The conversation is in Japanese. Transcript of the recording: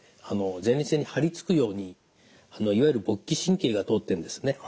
前立腺に張り付くようにいわゆる勃起神経が通ってるんですね。